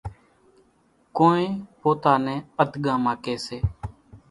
ڪونئين پوتا نين اڌڳاما ڪيَ سي۔